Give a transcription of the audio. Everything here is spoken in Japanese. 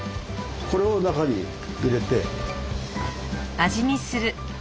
これを中に入れて。